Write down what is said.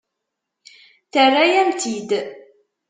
Terra-yam-tt-id.